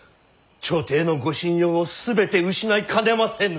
朝廷のご信用を全て失いかねませぬ。